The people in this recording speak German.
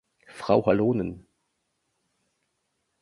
Frau Halonen!